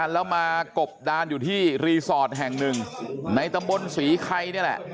แล้วมากบดานที่ที่รีสอร์ทแห่ง๑ในตำบนสีไขย